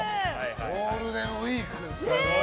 ゴールデンウィークですから。